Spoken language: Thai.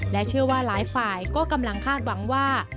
และเชื่อว่าหลายฝ่ายก็กำลังคาดหวังว่า